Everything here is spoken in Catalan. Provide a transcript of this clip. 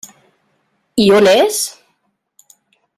I on és?